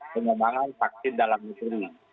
pengembangan vaksin dalam negeri